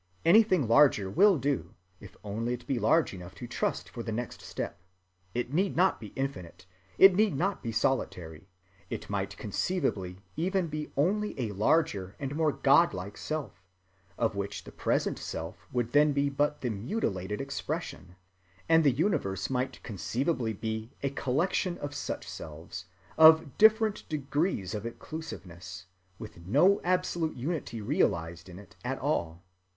Anything larger will do, if only it be large enough to trust for the next step. It need not be infinite, it need not be solitary. It might conceivably even be only a larger and more godlike self, of which the present self would then be but the mutilated expression, and the universe might conceivably be a collection of such selves, of different degrees of inclusiveness, with no absolute unity realized in it at all.